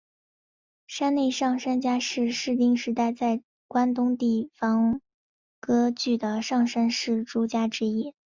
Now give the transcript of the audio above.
山内上杉家是室町时代在关东地方割据的上杉氏诸家之一。